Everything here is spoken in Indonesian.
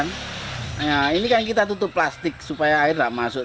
nah ini kan kita tutup plastik supaya air tidak masuk